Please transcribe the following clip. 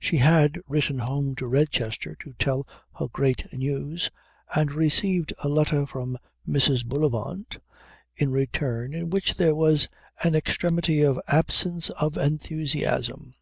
She had written home to Redchester to tell her great news, and received a letter from Mrs. Bullivant in return in which there was an extremity of absence of enthusiasm.